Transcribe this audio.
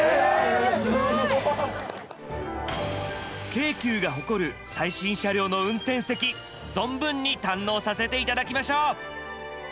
京急が誇る最新車両の運転席存分に堪能させて頂きましょう。